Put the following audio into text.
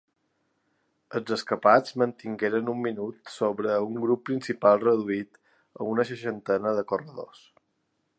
Els escapats mantingueren un minut sobre un grup principal reduït a una seixantena de corredors.